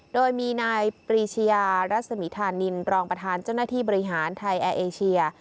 โดยมีนายปรีชยารัศมีธานินรองประธานเจ้าหน้าที่บริหารไทยแอร์เอเชีย